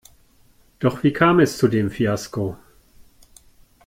Doch wie kam es zu dem Fiasko?